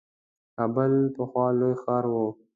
کابل پخوا لوی ښار وو.